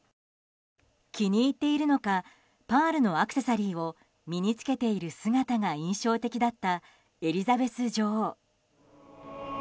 気に入っているのかパールのアクセサリーを身に着けている姿が印象的だったエリザベス女王。